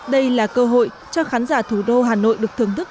đây là cơ hội cho khán giả thủ đô hà nội được thưởng thức